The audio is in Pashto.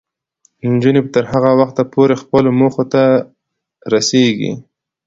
نجونې به تر هغه وخته پورې خپلو موخو ته رسیږي.